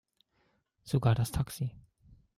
Sogar das Taxi.